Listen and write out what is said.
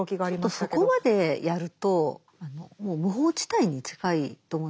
ちょっとそこまでやるともう無法地帯に近いと思うんですよ。